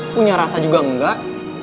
punya rasa juga enggak